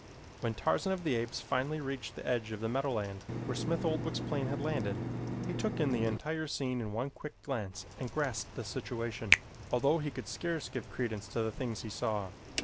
When Tarzan of the Apes finally reached the edge of the meadowland where Smith Oldwick's plane had landed, he took in the entire scene in one quick glance and grasped the situation, although he could scarce give credence to the things he saw.